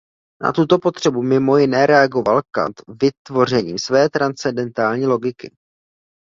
Na tuto potřebu mimo jiné reagoval Kant vytvořením své transcendentální logiky.